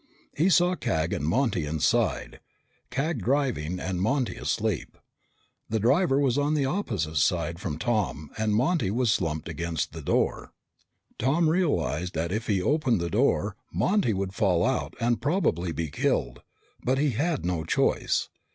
He saw Cag and Monty inside, Cag driving and Monty asleep. The driver was on the opposite side from Tom, and Monty was slumped against the door. Tom realized that if he opened the door, Monty would fall out and probably be killed, but he had no choice.